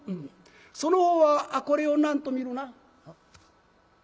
その方はこれを何と見るな？」。